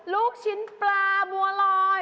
ลูกชิ้นปลาบัวลอย